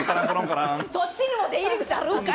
そっちにも出入り口あるんかい。